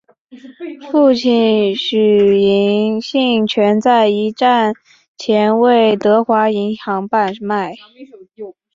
父亲许杏泉在一战前为德华银行买办。